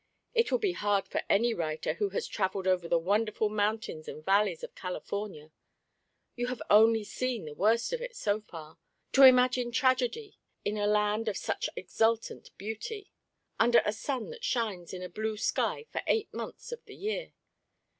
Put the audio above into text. It will be hard for any writer who has travelled over the wonderful mountains and valleys of California you have only seen the worst of it so far to imagine tragedy in a land of such exultant beauty, under a sun that shines in a blue sky for eight months of the year.